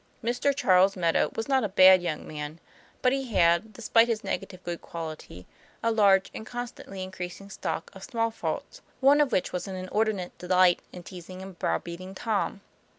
Mr. Charles Meadow was not a bad young man, but he had, despite this negative good quality, a large and constantly in creasing stock of small faults, one of which was an inordinate delight in teasing and browbeating Tom.